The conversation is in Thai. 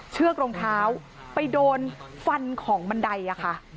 เชือกรองเท้าไปโดนฟันของบันไดอะค่ะ